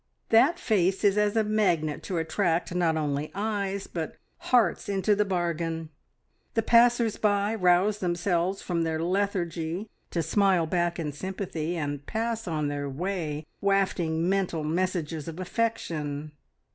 That face is as a magnet to attract not only eyes, but hearts into the bargain; the passers by, rouse themselves from their lethargy to smile back in sympathy, and pass on their way wafting mental messages of affection.